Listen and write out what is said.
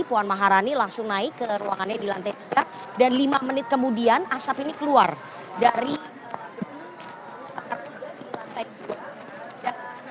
puan maharani langsung naik ke ruangannya di lantai tiga dan lima menit kemudian asap ini keluar dari lantai dua